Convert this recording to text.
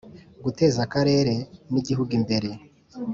guteza Akarere n Igihugu imbere